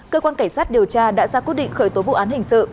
cơ quan cảnh sát điều tra đã ra quyết định khởi tố vụ án hình sự